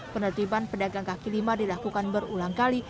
penertiban pedagang kaki lima dilakukan berulang kali